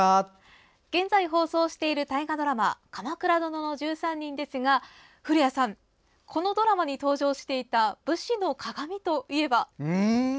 現在、放送している大河ドラマ「鎌倉殿の１３人」ですが古谷さん、ドラマに登場していた武士のかがみといえば。